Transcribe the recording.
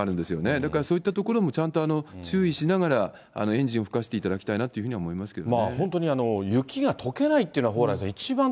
だからそういったところもちゃんと注意しながら、エンジンふかしていただきたいなというふうに思いますけどね。